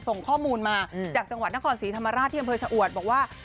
ส่งข้อมูลมาจากจังหวัดนครศรีธรรมราชที่อำเภอชะอวดบอกว่า